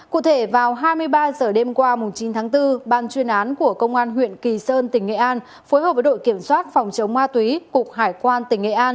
cụ thể vào hai mươi ba h đêm qua chín tháng bốn ban chuyên án của công an huyện kỳ sơn tỉnh nghệ an